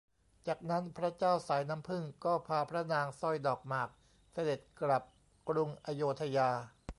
จากนั้นพระเจ้าสายน้ำผึ้งก็พาพระนางสร้อยดอกหมากเสด็จกลับกรุงอโยธยา